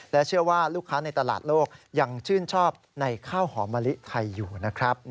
และเชื่อว่าลูกค้าในตลาดโลกยังชื่นชอบในข้าวหอมมะลิไทยอยู่นะครับ